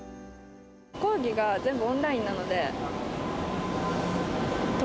講義が全部オンラインなので。